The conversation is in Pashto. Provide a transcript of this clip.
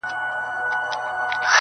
• دې يوه لمن ښكلا په غېږ كي ايښې ده.